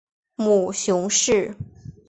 母熊氏。